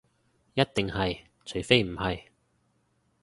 一定係，除非唔係